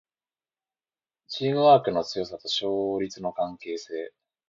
チームワークの強さと勝率の関係性